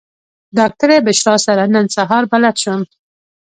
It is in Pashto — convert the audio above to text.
ډاکټره بشرا سره نن سهار بلد شوم.